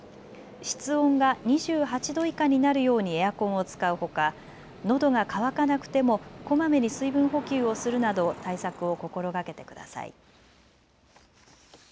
室温が２８度以下になるようにエアコンを使うほかのどが渇かなくてもこまめに水分補給をするなど対策を心がけてください。